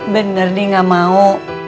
bener nih ga mau